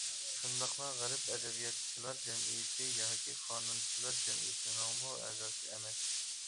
شۇنداقلا غەرب ئەدەبىياتچىلار جەمئىيىتى ياكى قانۇنچىلار جەمئىيىتىنىڭمۇ ئەزاسى ئەمەس.